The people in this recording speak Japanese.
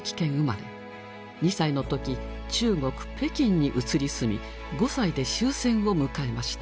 ２歳の時中国・北京に移り住み５歳で終戦を迎えました。